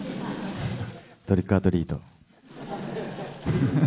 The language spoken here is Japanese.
トリックオアトリート。